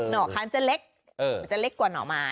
ห่อค้างจะเล็กมันจะเล็กกว่าหน่อไม้